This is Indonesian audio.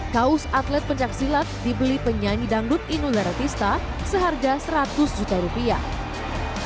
kaos atlet pencaksilat dibeli penyanyi dangdut inul daratista seharga seratus juta rupiah